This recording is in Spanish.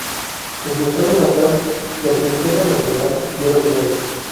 En su estado natal la Cineteca Nacional lleva su nombre.